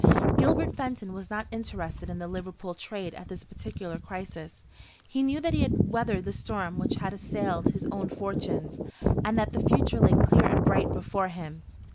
Gilbert Fenton was not interested in the Liverpool trade at this particular crisis. He knew that he had weathered the storm which had assailed his own fortunes, and that the future lay clear and bright before him.